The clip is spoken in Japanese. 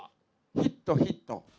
ヒット、ヒット。